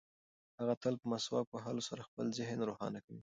هغه تل په مسواک وهلو سره خپل ذهن روښانه کوي.